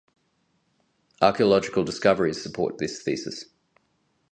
Archaeological discoveries support this thesis.